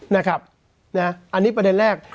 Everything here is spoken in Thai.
นะครับอันนี้ประเด็นแรก